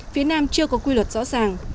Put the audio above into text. phía nam chưa có quy luật rõ ràng